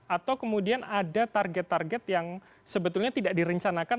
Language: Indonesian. atau kemudian ada target target yang sebetulnya tidak direncanakan